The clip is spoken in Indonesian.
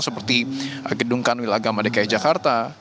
seperti gedungkan wilagama dki jakarta